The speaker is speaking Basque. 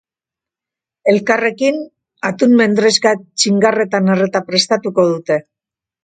Elkarrekin, atun mendrezka txingarretan erreta prestatuko dute.